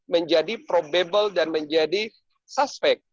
menjadi probable dan menjadi suspek